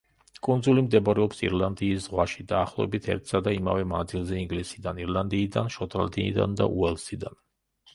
კუნძული მდებარეობს ირლანდიის ზღვაში, დაახლოებით ერთსა და იმავე მანძილზე ინგლისიდან, ირლანდიიდან, შოტლანდიიდან და უელსიდან.